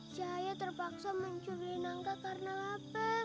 cahaya terpaksa mencuri nangka karena leper